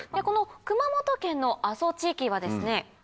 この熊本県の阿蘇地域はですね